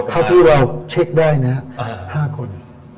เท่าที่เราเช็คได้นะ๕คน